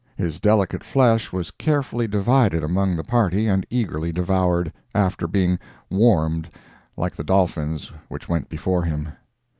His delicate flesh was carefully divided among the party and eagerly devoured—after being "warmed" like the dolphins which went before him.